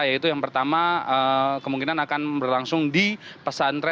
yaitu yang pertama kemungkinan akan berlangsung di pesantren